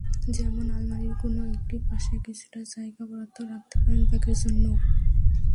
যেমন, আলমারির কোনো একটি পাশে কিছুটা জায়গা বরাদ্দ রাখতে পারেন ব্যাগের জন্য।